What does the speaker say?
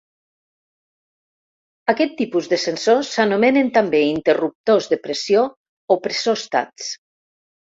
Aquests tipus de sensors s'anomenen també interruptors de pressió o pressòstats.